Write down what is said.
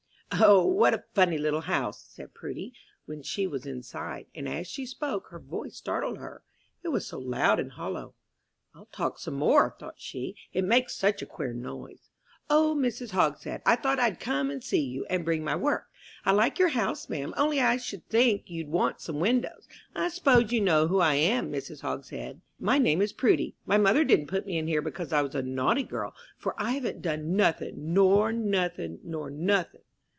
"O, what a funny little house," said Prudy, when she was inside; and as she spoke, her voice startled her it was so loud and hollow. "I'll talk some more," thought she, "it makes such a queer noise. 'Old Mrs. Hogshead, I thought I'd come and see you, and bring my work. I like your house, ma'am, only I should think you'd want some windows. I s'pose you know who I am, Mrs. Hogshead? My name is Prudy. My mother didn't put me in here because I was a naughty girl, for I haven't done nothing nor nothing nor nothing.